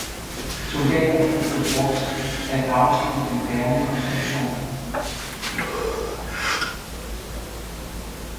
Soldaterne blev brugt at afstive den bærende konstruktion.